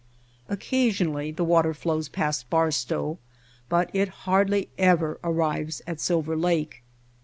Oc casionally the water flows past Barstow, but it hardly ever arrives at Silver Lake.